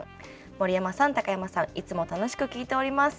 「森山さん高山さんいつも楽しく聴いております」。